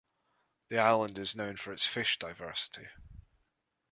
The island is known for its fish diversity.